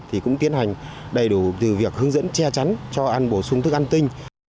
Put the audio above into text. thì cũng tiến hành đầy đủ từ việc hướng dẫn che chắn cho ăn bổ sung thức ăn tinh